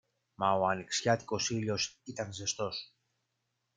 Μα ο ανοιξιάτικος ήλιος ήταν ζεστός